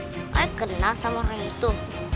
saya kenal sama orang itu